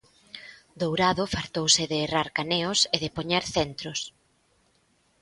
Dourado fartouse de errar caneos e de poñer centros.